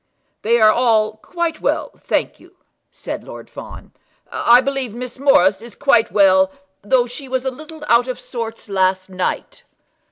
"They are, all quite well, thank you," said Lord Fawn. "I believe Miss Morris is quite well, though she was a little out of sorts last night."